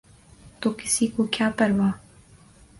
تو کسی کو کیا پروا؟